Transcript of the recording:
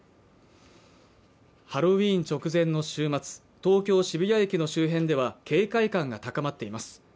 ハロウィーン直前の週末東京・渋谷駅の周辺では警戒感が高まっています